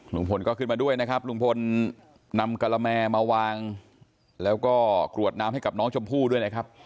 ลุงพลก็ขึ้นมาด้วยนะครับลุงพลนำกะละแมมาวางแล้วก็กรวดน้ำให้กับน้องชมพู่ด้วยนะครับ